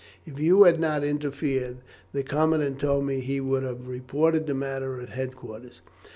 If you had not interfered, the commandant told me that he should have reported the matter at headquarters.